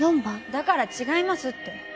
だから違いますって。